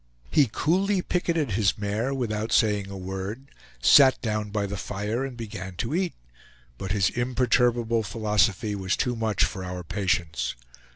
He coolly picketed his mare, without saying a word, sat down by the fire and began to eat, but his imperturbable philosophy was too much for our patience.